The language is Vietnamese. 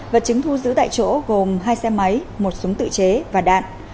vật chứng thu giữ tại chỗ gồm hai xe máy một súng tự chế và đạn